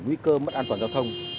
nguy cơ mất an toàn giao thông